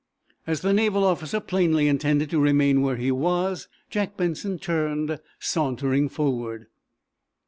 As the naval officer plainly intended to remain where he was, Jack Benson turned, sauntering forward.